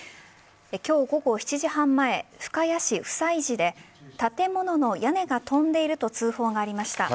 今日午後７時半前深谷市普済寺で建物の屋根が飛んでいると通報がありました。